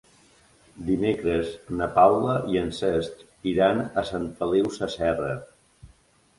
Dimecres na Paula i en Cesc iran a Sant Feliu Sasserra.